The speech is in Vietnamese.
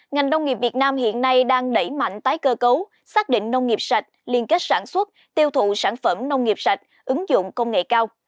ngành nông nghiệp việt nam hiện nay đang đẩy mạnh tái cơ cấu xác định nông nghiệp sạch liên kết sản xuất tiêu thụ sản phẩm nông nghiệp sạch ứng dụng công nghệ cao